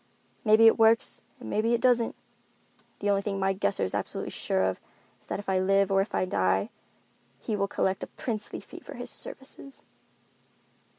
Maybe it works and maybe it doesn't. The only thing my guesser is absolutely sure of is that if I live or if I die, he will collect a princely fee for his services."